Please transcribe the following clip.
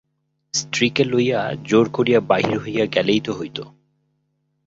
স্ত্রীকে লইয়া জোর করিয়া বাহির হইয়া গেলেই তো হইত।